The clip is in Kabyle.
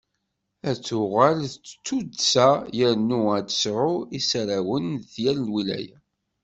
Ad tuɣal d tuddsa, yernu ad tesɛu isarrawen di yal lwilaya.